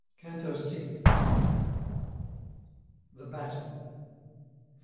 CANTO SIXTH. THE BATTLE.